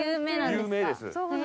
有名です。